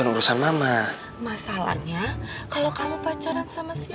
ya gimana ya sebenarnya ya